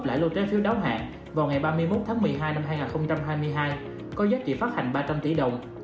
lãi lô trái phiếu đáo hạn vào ngày ba mươi một tháng một mươi hai năm hai nghìn hai mươi hai có giá trị phát hành ba trăm linh tỷ đồng